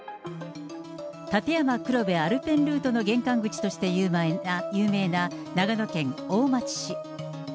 立山黒部アルペンルートの玄関口として有名な長野県大町市。